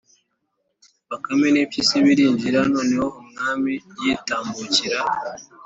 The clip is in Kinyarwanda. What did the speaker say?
bakame n’impyisi birinjira. noneho umwami yitambukira,